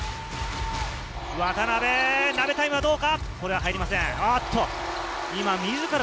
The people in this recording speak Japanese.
渡邉、ナベタイムはどうか？